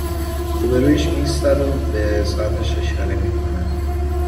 روبرویش می ایستد و به ساعتش اشاره می کند